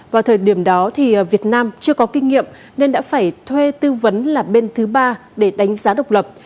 vào thời điểm đó thì việt nam chưa có kinh nghiệm nên đã phải thuê tư vấn là bên thứ ba để đánh giá độc lập